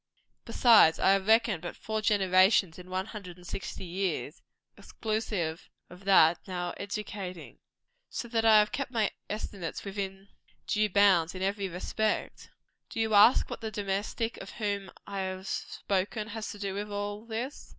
Besides, I have reckoned but four generations in one hundred and sixty years, exclusive of that now educating. So that I have kept my estimates within due bounds in every respect. Do you ask what the domestic of whom I have spoken has to do with all this?